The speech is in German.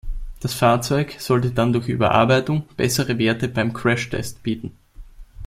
Das Fahrzeug sollte dann durch Überarbeitung bessere Werte beim Crashtest bieten.